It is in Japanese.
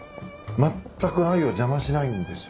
まったくアユを邪魔しないんですよ。